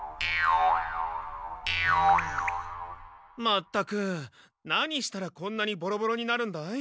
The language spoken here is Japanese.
まったく何したらこんなにボロボロになるんだい？